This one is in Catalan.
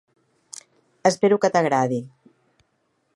Espero que t'agradi.